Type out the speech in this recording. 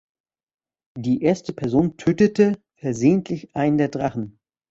Die erste Person tötete versehentlich einen der Drachen.